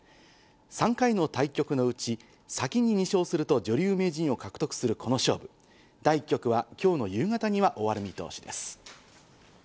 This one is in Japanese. ３回の対局のうち、先に２勝すると女流名人を獲得するこの勝負、第１局は今日の夕方には終わる見通しです。